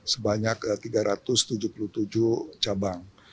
sebanyak tiga ratus tujuh puluh tujuh cabang